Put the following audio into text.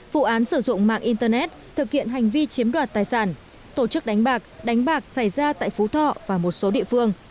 vụ án sử dụng mạng internet thực hiện hành vi chiếm đoạt tài sản tổ chức đánh bạc đánh bạc xảy ra tại phú thọ và một số địa phương